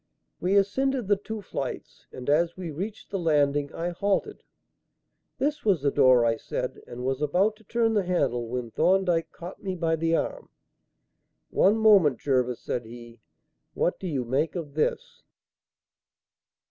We ascended the two flights, and, as we reached the landing, I halted. "This was the door," I said, and was about to turn the handle when Thorndyke caught me by the arm. "One moment, Jervis," said he. "What do you make of this?"